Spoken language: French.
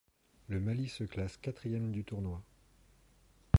Le Mali se classe quatrième du tournoi.